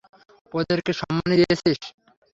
ওদেরকে সম্মানি দিয়েছিস?